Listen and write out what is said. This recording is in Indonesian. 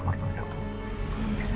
walaikum salam jes